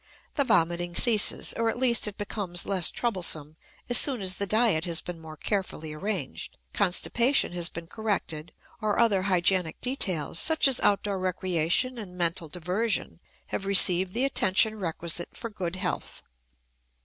The vomiting ceases or, at least, it becomes less troublesome as soon as the diet has been more carefully arranged, constipation has been corrected, or other hygienic details, such as outdoor recreation and mental diversion, have received the attention requisite for good health.